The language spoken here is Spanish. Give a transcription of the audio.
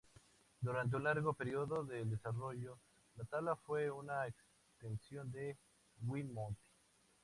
Durante un largo período del desarrollo, la tabla fue una extensión del WiiMote.